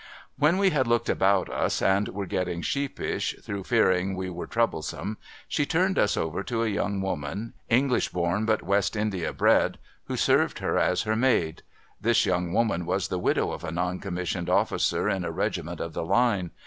When we had looked about us, and were getting sheepish, through fearing we were troublesome, she turned us over to a young woman, English born but West India bred, who served her as her maid. This young woman was the widow of a non commissioned officer in a regiment of the line.